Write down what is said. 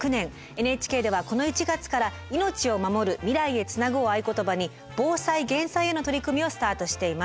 ＮＨＫではこの１月から「命をまもる未来へつなぐ」を合言葉に防災・減災への取り組みをスタートしています。